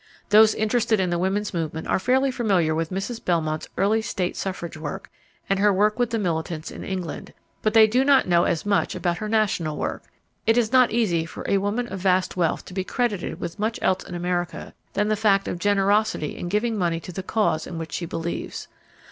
Those interested in the woman's movement are fairly familiar with Mrs. Belmont's early state suffrage work and her work with the militants in England, but they do not know as much about her national work. It is not easy for a woman of vast wealth to be credited with much else in America than the fact of generosity in giving money to the cause in which she believes.